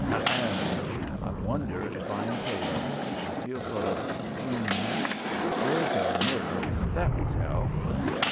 Ahem! I wonder if I am pale I feel sort of um There's a mirror. That will tell."